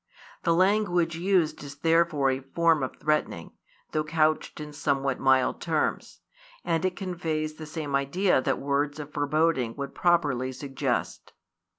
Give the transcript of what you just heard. The language used is therefore a form of threatening, though couched in somewhat mild terms; and it conveys the same idea that words of foreboding would properly suggest.